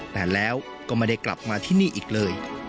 แต่แล้วก็ไม่ได้กลับมาที่นี่อีกเลย